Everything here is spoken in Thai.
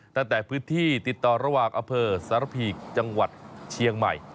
ตั้งแต่พื้นที่ติดต่อระหว่างอำเภอสารพีกจังหวัดเชียงใหม่